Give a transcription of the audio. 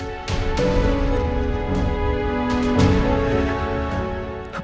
suara sang harimau